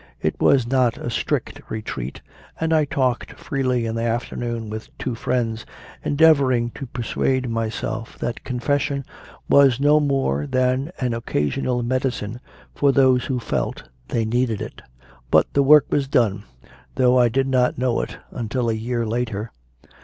It was not a strict retreat, and I talked freely in the afternoon with two friends, endeavouring to persuade myself that Confession was no more than an occasional medicine for those who felt they needed it. But the work was done, though I did not know it until a year later.